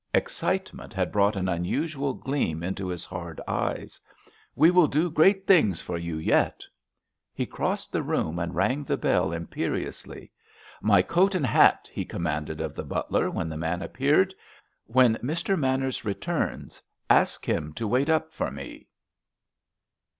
Excitement had brought an unusual gleam into his hard eyes. "We will do great things for you yet!" He crossed the room and rang the bell imperiously. "My coat and hat," he commanded of the butler when the man appeared. "When Mr. Manners returns, ask him to wait up for me."